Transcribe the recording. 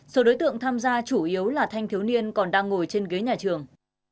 số đối tượng tham gia chủ yếu là thanh thiếu niên còn đang ngồi trên ghế nhà trường